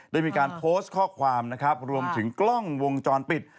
ได้มีการโพสต์ข้อความนะครับรวมถึงกล้องวงจรปิด